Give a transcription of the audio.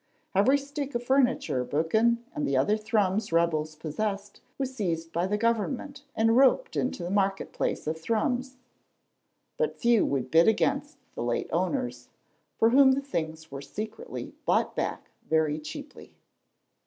Every stick of furniture Buchan and the other Thrums rebels possessed was seized by the government and rouped in the market place of Thrums, but few would bid against the late owners, for whom the things were secretly bought back very cheaply.